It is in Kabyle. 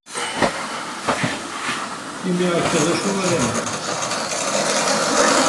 Imi akka, d acu ara neg?